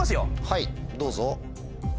はいどうぞ。